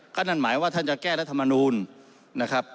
ก็นั่นหมายว่าท่านจะแก้รัฐมนูลนะครับ